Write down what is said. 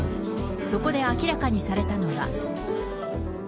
そこで明らかにされたのは。